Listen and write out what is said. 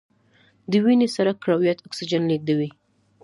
د وینې سره کرویات اکسیجن لیږدوي